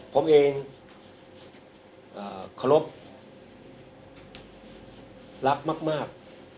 ผมเองขอรบรักมาก